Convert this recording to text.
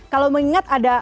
kalau mengingat ada